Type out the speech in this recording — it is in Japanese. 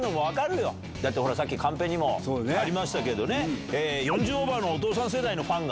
さっきカンペにもありましたけどね。